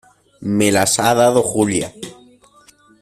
me las ha dado Julia.